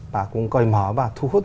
và cũng coi mở và thu hút